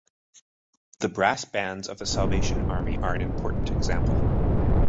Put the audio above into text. The brass bands of the Salvation Army are an important example.